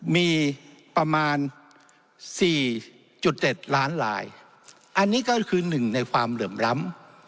มีประมาณ๔๗ล้านลายอันนี้ก็คือหนึ่งในความเหลื่อมล้ำ